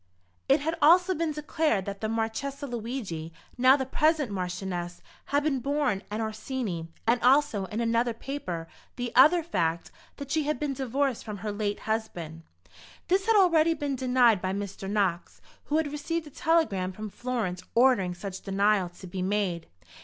It had also been declared that the Marchesa Luigi, now the present Marchioness, had been born an Orsini; and also, in another paper, the other fact (?) that she had been divorced from her late husband. This had already been denied by Mr. Knox, who had received a telegram from Florence ordering such denial to be made.